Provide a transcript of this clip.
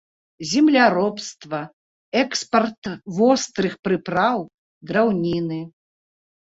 Земляробства, экспарт вострых прыпраў, драўніны.